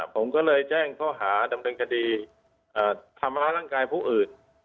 ผมก็เลยแจ้งข้อหาดำเนินคดีทำร้ายร่างกายผู้อื่น